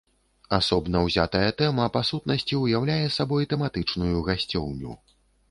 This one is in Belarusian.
Асобна ўзятая тэма, па сутнасці, уяўляе сабой тэматычную гасцёўню.